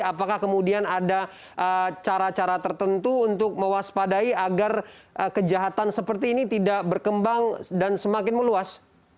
apakah kemudian ada cara cara tertentu untuk mewaspadai agar kejahatan seperti ini tidak berkembang dan semakin meluas